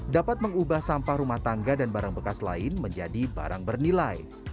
dapat mengubah sampah rumah tangga dan barang bekas lain menjadi barang bernilai